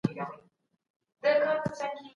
مذهب د خلګو په ژوند لوی نفوذ درلود.